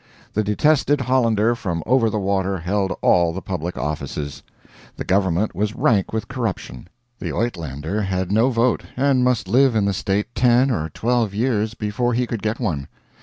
The detested Hollander from over the water held all the public offices. The government was rank with corruption. The Uitlander had no vote, and must live in the State ten or twelve years before he could get one.